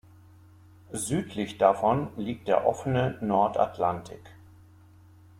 Südlich davon liegt der offene Nordatlantik.